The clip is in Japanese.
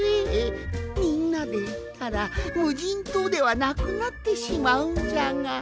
みんなでいったらむじんとうではなくなってしまうんじゃが。